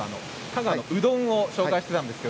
香川のうどんを紹介していました。